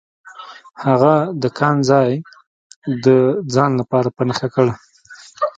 هغه د کان ځای د ځان لپاره په نښه کړ.